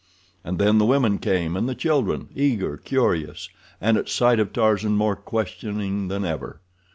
And then the women came, and the children—eager, curious, and, at sight of Tarzan, more questioning than ever.